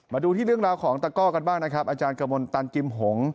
มาดูที่เรื่องราวของตะก้อกันบ้างนะครับอาจารย์กระมวลตันกิมหง